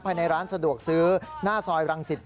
ไปในร้านสะดวกซื้อน่าซอยรังสิทธิ์ที่